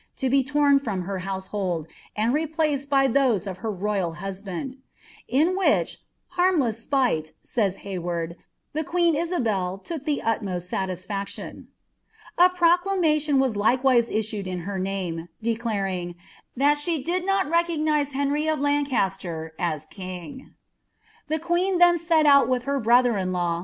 to be lom from her household, and replaced by tliowi at te royal husbuod , ia which ^ harmless spite," says Hay ward. ^ the fNCi Isabel tuok the utmost saiislaction." A pioclamaiion won likerai issued in lier name, doclaiijig " thai she did not recognise Henc^ otlt^ caster as king." The queen then set out with her brotber^iMaw.